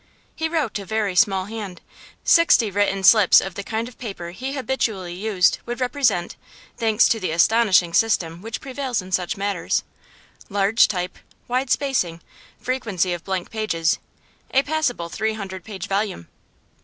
He wrote a very small hand; sixty written slips of the kind of paper he habitually used would represent thanks to the astonishing system which prevails in such matters: large type, wide spacing, frequency of blank pages a passable three hundred page volume.